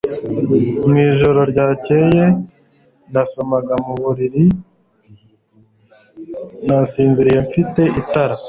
Mu ijoro ryakeye, nasomaga mu buriri, nasinziriye mfite itara.